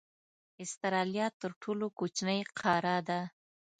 استرالیا تر ټولو کوچنۍ قاره ده.